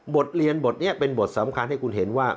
บทเรียนบทนี้เป็นบทสำคัญให้คุณเห็นว่า